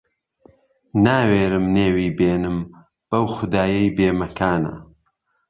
ناوێرم نێوی بێنم به خودایهی بێمهکانه